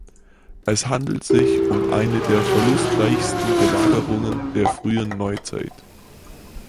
Es handelt sich um eine der verlustreichsten Belagerungen der Frühen Neuzeit.